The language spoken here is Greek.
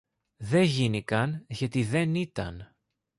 Δε γίνηκαν, γιατί δεν ήταν.